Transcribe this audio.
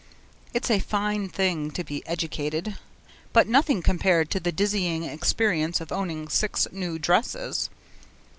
It's a fine thing to be educated but nothing compared to the dizzying experience of owning six new dresses.